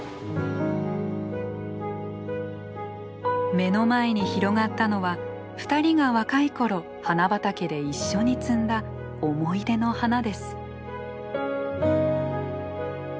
目の前に広がったのは２人が若い頃花畑で一緒に摘んだ思い出の花です。